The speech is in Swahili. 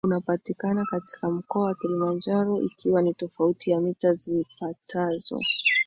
unapatikana katika mkoa wa Kilimanajaro ikiwa ni tofauti ya mita zipatazo